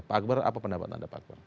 pak akbar apa pendapat anda